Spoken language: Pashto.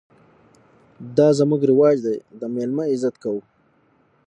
_دا زموږ رواج دی، د مېلمه عزت کوو.